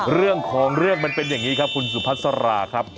เรื่องของเรื่องมันเป็นอย่างนี้ครับคุณสุพัสราครับ